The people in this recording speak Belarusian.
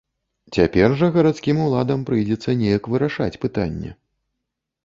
Цяпер жа гарадскім уладам прыйдзецца неяк вырашаць пытанне.